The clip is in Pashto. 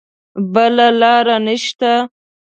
بله لاره نه شته.